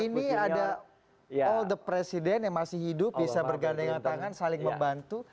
ini ada all the presiden yang masih hidup bisa berganda dengan tangan saling membantu